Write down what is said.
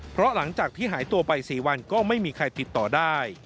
เพราะหลังจากที่หายตัวไป๔วันก็ไม่มีใครติดต่อได้